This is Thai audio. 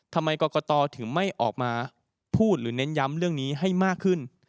ทำไมกรกตถึงไม่ออกมาพูดหรือเน้นย้ำเรื่องนี้ให้มากขึ้น